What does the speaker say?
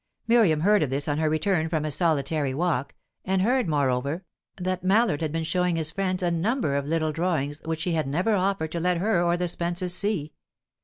Miriam heard of this on her return from a. solitary walk, and heard, moreover, that Mallard had been showing his friends a number of little drawings which he had never offered to let her or the Spences see.